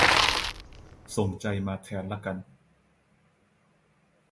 ส่งใจมาแทนละกัน